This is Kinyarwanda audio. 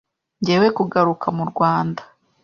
Njyewe kugaruka mu Rwanda,